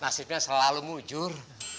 nasibnya selalu mujur